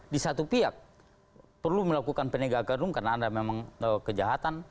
di satu pihak perlu melakukan penegakan hukum karena ada memang kejahatan